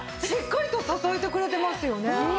しっかりと支えてくれてますよね。